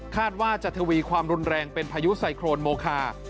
ว่าจะทวีความรุนแรงเป็นพายุไซโครนโมคา